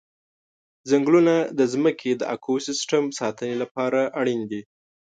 ځنګلونه د ځمکې د اکوسیستم ساتنې لپاره اړین دي.